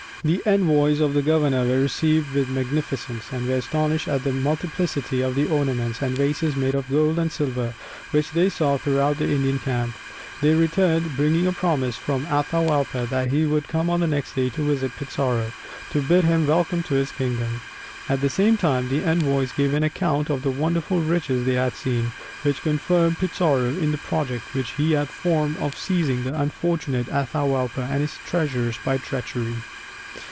The envoys of the governor were received with magnificence, and were astonished at the multiplicity of the ornaments and vases made of gold and silver which they saw throughout the Indian camp. They returned, bringing a promise from Atahualpa that he would come on the next day to visit Pizarro, to bid him welcome to his kingdom. At the same time the envoys gave an account of the wonderful riches they had seen, which confirmed Pizarro in the project which he had formed of seizing the unfortunate Atahualpa and his treasures by treachery.